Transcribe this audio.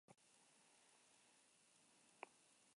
Taxista bat nire itxuraz errukitu da.